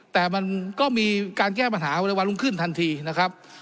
แต่มันก็มีการแก้ปัญหาไว้ในวันรุ่งขึ้นทันทีนะครับ